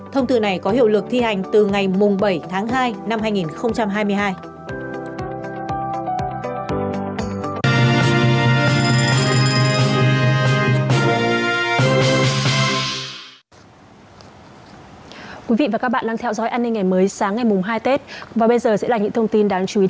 thông tư này có hiệu lực thi hành từ ngày bảy tháng hai năm hai nghìn hai mươi hai